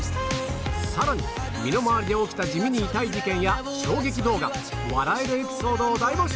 さらに身の回りで起きた地味に痛い事件や衝撃動画笑えるエピソードを大募集！